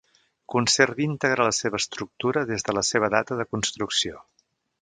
Conserva íntegra la seva estructura des de la seva data de construcció.